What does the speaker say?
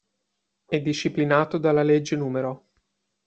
È disciplinato dalla legge n.